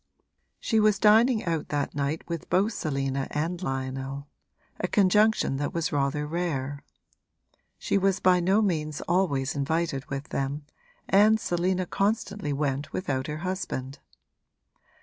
She was dining out that night with both Selina and Lionel a conjunction that was rather rare. She was by no means always invited with them, and Selina constantly went without her husband.